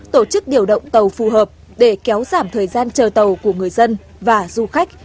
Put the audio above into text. tổ chức điều động tàu phù hợp để kéo giảm thời gian chờ tàu của người dân và du khách